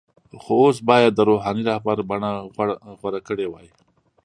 خو اوس یې باید د “روحاني رهبر” بڼه غوره کړې وای.